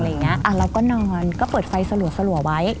เราก็นอนก็เปิดไฟสลัวไว้